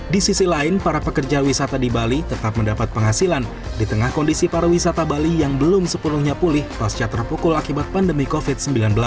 di sisi lain para pekerja wisata di bali tetap mendapat penghasilan di tengah kondisi para wisata bali yang belum sepenuhnya pulih pasca terpukul akibat pandemi covid sembilan belas